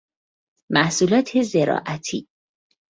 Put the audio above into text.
محصولات زراعتی